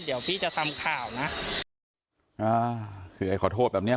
เดี๋ยวพี่จะทำข่าวนะอ่าคือไอ้ขอโทษแบบเนี้ย